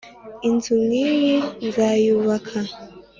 inzu nkiyi nzayubaka?